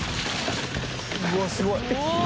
うわっすごい！